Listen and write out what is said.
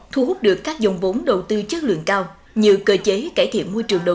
thu hút được các dòng vốn đầu tư chất lượng cao như cơ chế cải thiện môi trường đầu